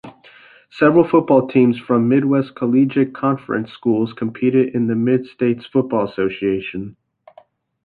Several football teams from Midwest Collegiate Conference schools competed in the Mid-States Football Association.